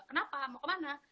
kenapa mau kemana